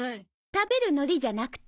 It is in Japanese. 食べるのりじゃなくて。